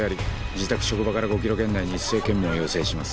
自宅職場から５ｋｍ圏内に一斉検問を要請します。